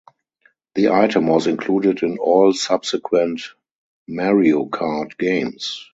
The item was included in all subsequent "Mario Kart" games.